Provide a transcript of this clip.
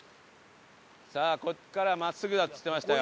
さあここから真っすぐだっつってましたよ。